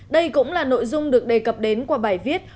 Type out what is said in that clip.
đây cũng là nội dung được đề cập đến qua bài viết